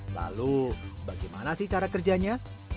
lalu bagaimana sih cara kerjanya